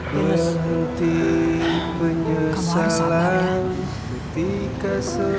yunus kamu harus sabar ya